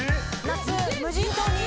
夏無人島に。